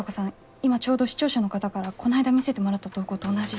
今ちょうど視聴者の方からこないだ見せてもらった投稿と同じ。